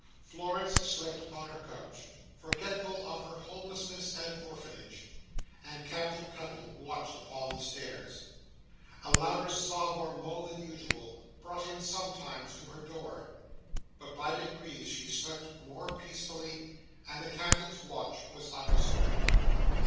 Florence slept upon her couch, forgetful of her homelessness and orphanage, and Captain Cuttle watched upon the stairs. A louder sob or moan than usual, brought him sometimes to her door; but by degrees she slept more peacefully, and the Captain's watch was undisturbed.